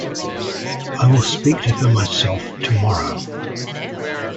I will speak to her myself tomorrow.